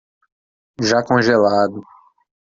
Já congelado